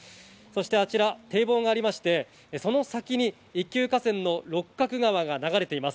あちら堤防があり、その先に一級河川の六角川が流れています。